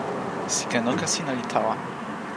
sike noka sina li tawa.